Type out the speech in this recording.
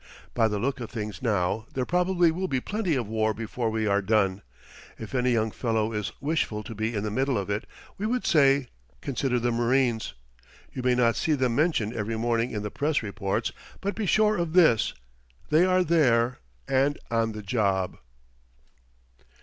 By the look of things now, there probably will be plenty of war before we are done. If any young fellow is wishful to be in the middle of it, we would say: Consider the marines. You may not see them mentioned every morning in the press reports, but be sure of this they are there and on the job.